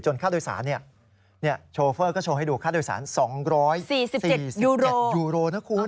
จนค่าโดยสารเนี่ยโชฟเฟอร์ก็โชว์ให้ดูค่าโดยสาร๒๔๗ยูโร